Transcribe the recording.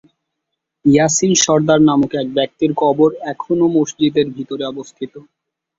ইয়াসিন সর্দার নামক এক ব্যক্তির কবর এখনও মসজিদের ভিতরে অবস্থিত।